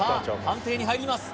判定に入ります